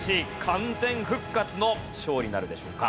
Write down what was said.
完全復活の勝利なるでしょうか？